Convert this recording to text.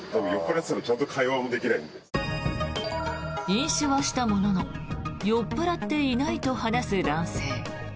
飲酒はしたものの酔っ払っていないと話す男性。